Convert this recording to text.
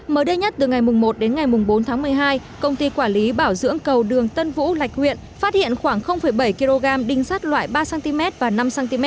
mới đây nhất từ ngày một đến ngày bốn tháng một mươi hai công ty quản lý bảo dưỡng cầu đường tân vũ lạch huyện phát hiện khoảng bảy kg đinh sắt loại ba cm và năm cm